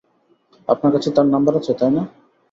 আপনার কাছে তার নাম্বার আছে, তাই না?